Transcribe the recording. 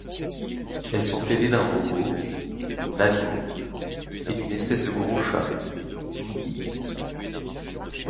Elles sont aidées d'un robot, Nanmo, et d'une espèce de gros chat, Mughi.